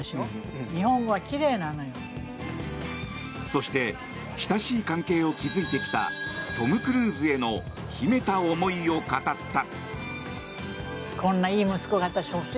そして親しい関係を築いてきたトム・クルーズへの秘めた思いを語った。